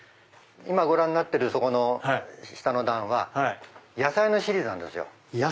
今ご覧になってるそこの下の段は野菜のシリーズなんですよ。